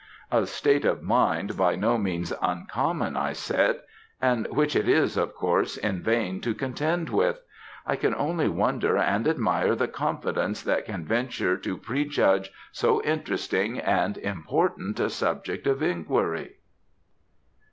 "A state of mind by no means uncommon," I said, "and which it is, of course, in vain to contend with. I can only wonder and admire the confidence that can venture to prejudge so interesting and important a subject of inquiry."